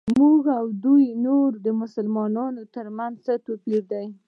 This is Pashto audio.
زموږ او ددې نورو مسلمانانو ترمنځ څه توپیر دی.